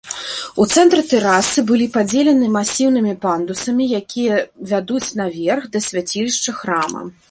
У цэнтры тэрасы былі падзелены масіўнымі пандусамі, якія вядуць наверх, да свяцілішча храма.